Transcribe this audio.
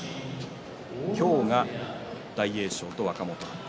今日が大栄翔と若元春。